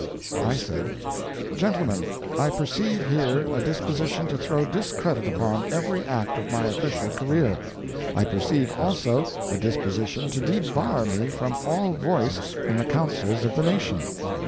I said: "Gentlemen, I perceive here a disposition to throw discredit upon every act of my official career; I perceive, also, a disposition to debar me from all voice in the counsels of the nation.